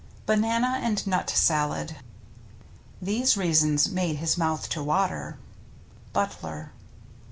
BANANA AND NUT SALAD These reasons made his mouth to water, — Butler.